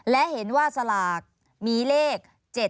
และเห็นว่าสลากมีเลข๗๗